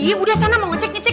iya udah sana mau ngecek ngecek